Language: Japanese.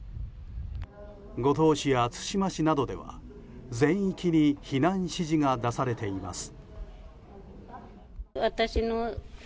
五島市や対馬市などでは全域に避難指示が出されています。